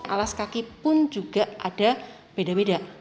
alas kaki pun juga ada beda beda